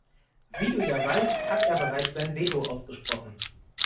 Wie du ja weißt, hat er bereits sein Veto ausgesprochen.